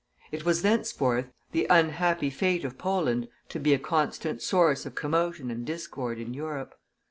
It was, thenceforth, the unhappy fate of Poland to be a constant source of commotion and discord in Europe.